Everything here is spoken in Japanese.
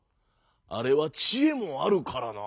あれはちえもあるからな」。